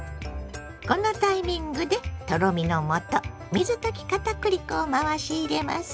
このタイミングでとろみのもと水溶き片栗粉を回し入れます。